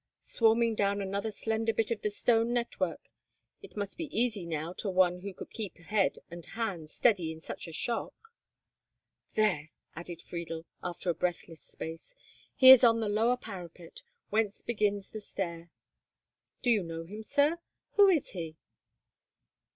"Swarming down another slender bit of the stone network. It must be easy now to one who could keep head and hand steady in such a shock." "There!" added Friedel, after a breathless space, "he is on the lower parapet, whence begins the stair. Do you know him, sir? Who is he?"